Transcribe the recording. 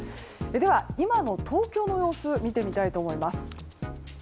では今の東京の様子見てみたいと思います。